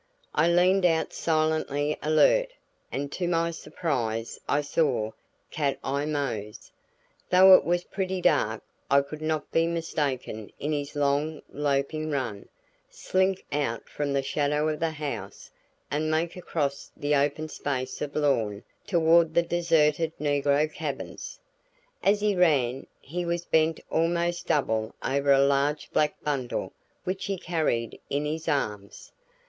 I leaned out silently alert, and to my surprise I saw Cat Eye Mose though it was pretty dark I could not be mistaken in his long loping run slink out from the shadow of the house and make across the open space of lawn toward the deserted negro cabins. As he ran he was bent almost double over a large black bundle which he carried in his arms.